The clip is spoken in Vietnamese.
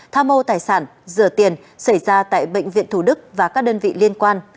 tham mô tài sản rửa tiền xảy ra tại bệnh viện thủ đức và các đơn vị liên quan